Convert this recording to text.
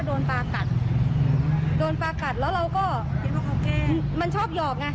โดนปลากัดโดนปลากัดแล้วเราก็คิดว่าเขาแกล้งมันชอบหยอกไง